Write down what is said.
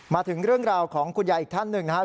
มาถึงเรื่องราวของคุณยายอีกท่านหนึ่งนะครับ